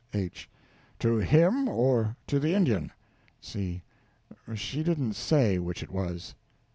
H. To him, or to the Indian? C. She didn't say which it was.